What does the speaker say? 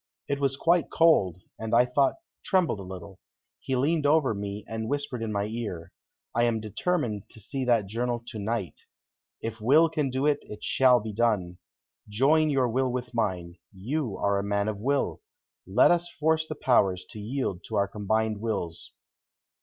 It was quite cold, and I thought trembled a little. He leaned over me and whispered in my ear: "I am determined to see that journal to night. If will can do it, it shall be done. Join your will with mine. You are a man of will. Let us force the powers to yield to our combined wills."